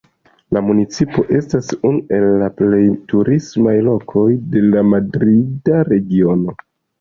La municipo estas unu el la plej turismaj lokoj de la Madrida Regiono.